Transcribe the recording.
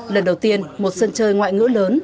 lần đầu tiên một sân chơi ngoại ngữ lớn